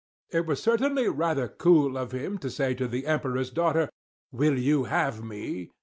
It was certainly rather cool of him to say to the Emperor's daughter, "Will you have me?"